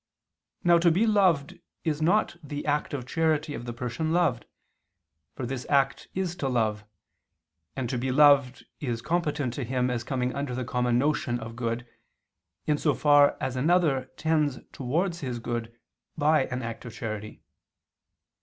Now to be loved is not the act of the charity of the person loved; for this act is to love: and to be loved is competent to him as coming under the common notion of good, in so far as another tends towards his good by an act of charity.